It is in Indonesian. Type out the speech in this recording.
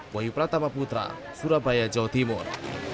ketua pembangunan surabaya jawa timur